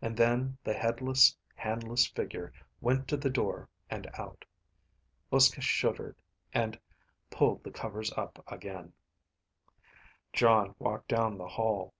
And then the headless, handless figure went to the door and out. Uske shivered and pulled the covers up again. Jon walked down the hall.